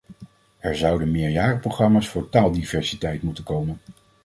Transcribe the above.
Er zouden meerjarenprogramma's voor taaldiversiteit moeten komen.